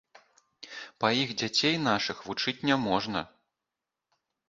Па іх дзяцей нашых вучыць няможна.